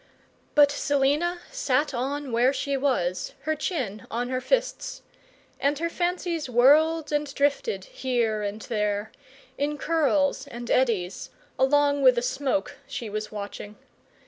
But Selina sat on where she was, her chin on her fists; and her fancies whirled and drifted, here and there, in curls and eddies, along with the smoke she was watching.